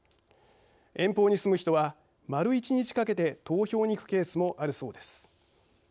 遠方に住む人は丸一日かけて投票に行くケースもあるそうです。